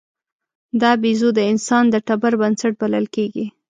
دا بیزو د انسان د ټبر بنسټ بلل کېږي.